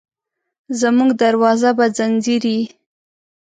زموږ دروازه به ځینځېرې،